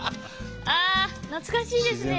ああ懐かしいですね。